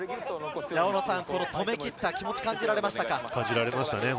止めきった気持ちが感じられましたか？